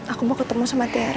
aku mau ketemu sama thery